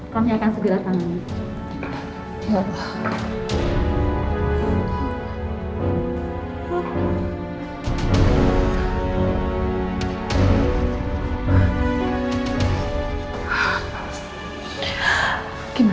kami akan segera tangani